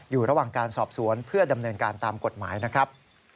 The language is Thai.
อยู่ระหว่างการสอบสวนเพื่อดำเนินการตามกฎหมายนะครับ